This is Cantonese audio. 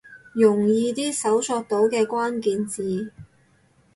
用易啲搜尋到嘅關鍵字